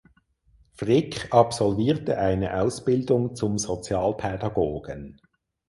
Frick absolvierte eine Ausbildung zum Sozialpädagogen.